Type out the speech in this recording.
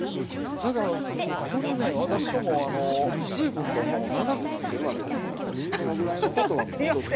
だからこれね私ともあの随分ともう長くなってるわけですからそのぐらいのことはもうちょっと。